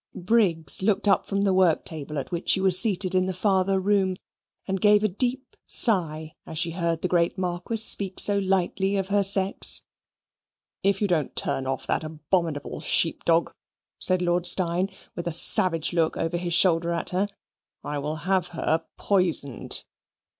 Briggs looked up from the work table at which she was seated in the farther room and gave a deep sigh as she heard the great Marquis speak so lightly of her sex. "If you don't turn off that abominable sheep dog," said Lord Steyne, with a savage look over his shoulder at her, "I will have her poisoned."